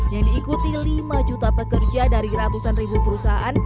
yang diikuti lima juta pekerja dari ratusan ribu perusahaan